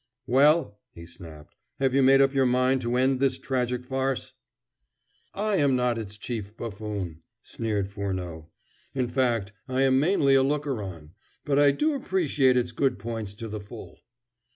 "Well?" he snapped, "have you made up your mind to end this tragic farce?" "I am not its chief buffoon," sneered Furneaux. "In fact, I am mainly a looker on, but I do appreciate its good points to the full."